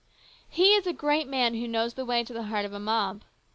He is a great man who knows the way to the heart of a mob.